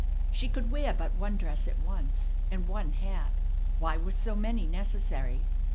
She could wear but one dress at once, and one hat. Why were so many necessary?